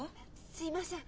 すみません。